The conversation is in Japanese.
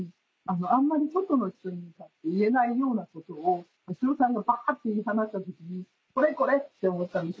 あんまり外の人に向かって言えないようなことを八代さんがバって言い放った時にこれこれ！って思ったんです。